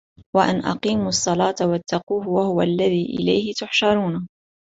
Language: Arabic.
وأن أقيموا الصلاة واتقوه وهو الذي إليه تحشرون